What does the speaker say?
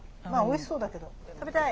まあおいしそうだけど。